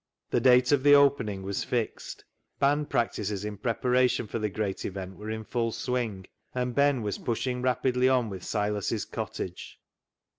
The date of the opening was fixed. Band practices in preparation for the great event were in full swing, and Ben was pushing rapidly on with Silas' cottage.